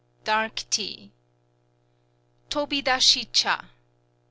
. Dark Tea Tô bi dashi châ